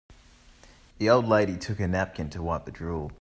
The old lady took her napkin to wipe the drool.